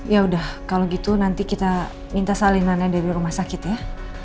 ya udah kalau gitu nanti kita minta salinannya dari rumah sakit ya